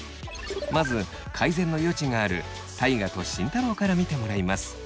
まず改善の余地がある大我と慎太郎から見てもらいます。